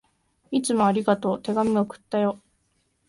いつもありがとう。手紙、送ったよ。